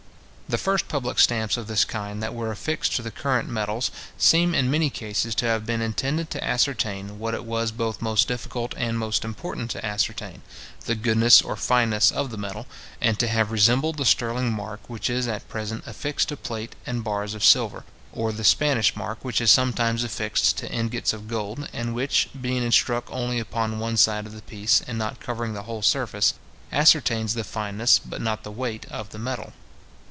The first public stamps of this kind that were affixed to the current metals, seem in many cases to have been intended to ascertain, what it was both most difficult and most important to ascertain, the goodness or fineness of the metal, and to have resembled the sterling mark which is at present affixed to plate and bars of silver, or the Spanish mark which is sometimes affixed to ingots of gold, and which, being struck only upon one side of the piece, and not covering the whole surface, ascertains the fineness, but not the weight of the metal.